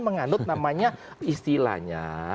menganut namanya istilahnya